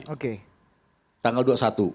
oke tanggal dua puluh satu